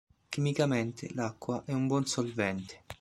Chimicamente l'acqua è un buon solvente.